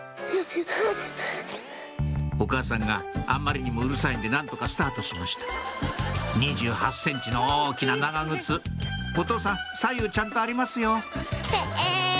お母さんがあんまりにもうるさいんで何とかスタートしました２８ｃｍの大きな長靴お父さん左右ちゃんとありますよ